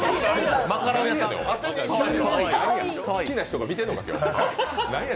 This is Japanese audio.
好きな人が見てんのか、今日。